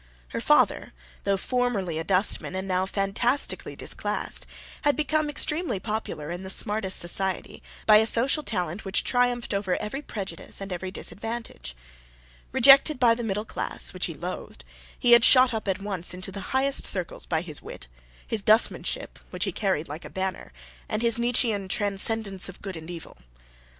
Her father, though formerly a dustman, and now fantastically disclassed, had become extremely popular in the smartest society by a social talent which triumphed over every prejudice and every disadvantage. Rejected by the middle class, which he loathed, he had shot up at once into the highest circles by his wit, his dustmanship (which he carried like a banner), and his Nietzschean transcendence of good and evil.